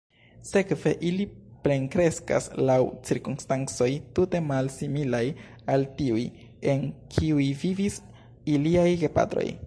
Sekve ili plenkreskas laŭ cirkonstancoj tute malsimilaj al tiuj, en kiuj vivis iliaj gepatroj.